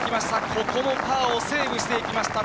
ここもパーをセーブしていきました。